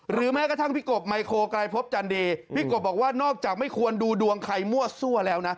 แม้กระทั่งพี่กบไมโครกรัยพบจันดีพี่กบบอกว่านอกจากไม่ควรดูดวงใครมั่วซั่วแล้วนะ